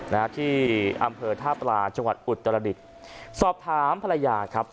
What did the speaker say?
นะฮะที่อำเภอท่าปลาจังหวัดอุตรดิษฐ์สอบถามภรรยาครับ